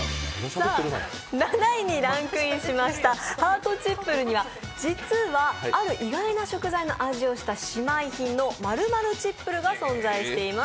７位にランクインしましたハートチップルには実はある意外な食材の味をした姉妹品の○○チップルが存在しています。